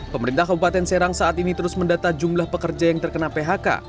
pemerintah kabupaten serang saat ini terus mendata jumlah pekerja yang terkena phk